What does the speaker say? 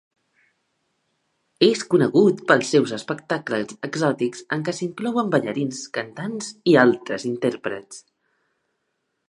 És conegut pels seus espectacles exòtics, en què s'inclouen ballarins, cantants i altres intèrprets.